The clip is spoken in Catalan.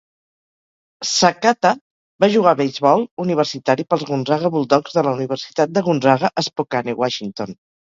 Sakata va jugar a beisbol universitari pels Gonzaga Bulldogs de la Universitat de Gonzaga a Spokane, Washington.